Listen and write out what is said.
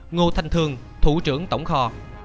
ngô thanh thương thủ trưởng tổng kho